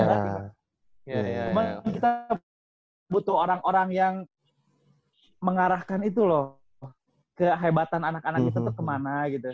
cuma kita butuh orang orang yang mengarahkan itu loh kehebatan anak anak itu kemana gitu